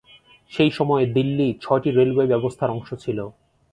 সেই সময়ে দিল্লি ছয়টি রেলওয়ে ব্যবস্থার অংশ ছিল।